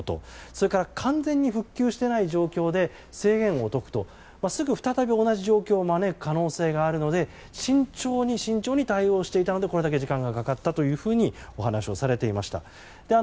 それから完全に復旧していない状況で制限を解くとすぐ再び同じ状況を招く可能性があるので慎重に慎重に対応していたのでこれだけ時間がかかったとお話をされていました。